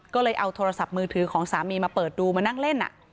ก็เลยเอาโทรศัพท์มือถือของสามีมาเปิดดูมานั่งเล่น